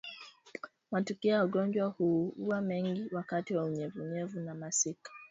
Matukio ya ugonjwa huu huwa mengi wakati wa unyevunyevu na masika